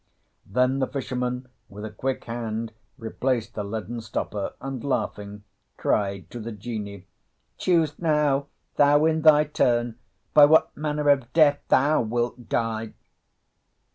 Then the fisherman with a quick hand replaced the leaden stopper, and laughing, cried to the Genie, "Choose now, thou in thy turn, by what manner of death thou wilt die."